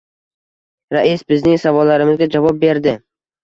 Rais bizning savollarimizga javob berdi.